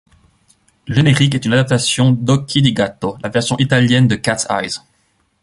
Le générique est une adaptation d'Occhi di Gatto, la version italienne de Cat's eyes.